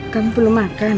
kamu belum makan